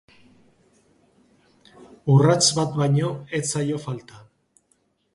Urrats bat baino ez zaio falta.